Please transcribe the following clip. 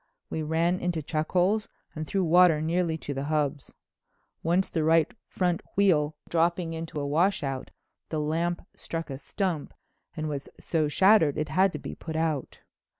We ran into chuck holes and through water nearly to the hubs. Once the right front wheel dropping into a washout, the lamp struck a stump and was so shattered it had to be put out.